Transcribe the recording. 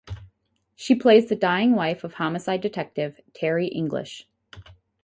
She plays the dying wife of homicide detective, Terry English.